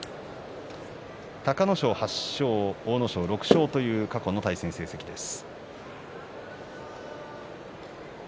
隆の勝８勝阿武咲６勝という過去の成績です。